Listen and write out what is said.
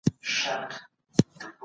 انا هغه په لاس له ځانه لرې کړ.